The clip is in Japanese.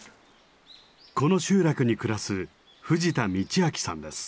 この集落に暮らす藤田道明さんです。